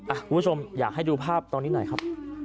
คุณผู้ชมอยากให้ดูภาพตอนนี้หน่อยครับ